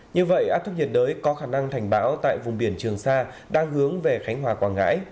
như vậy áp thấp nhiệt đới có khả năng thành bão tại vùng biển trường sa đang hướng về khánh hòa quảng ngãi